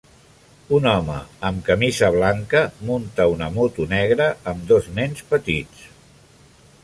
Un home amb camisa blanca munta una moto negra amb dos nens petits.